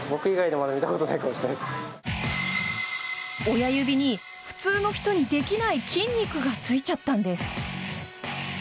親指に普通の人にできない筋肉がついちゃったんです。